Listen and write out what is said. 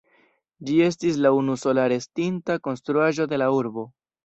Ĝi estas la unusola restinta konstruaĵo de la urbo.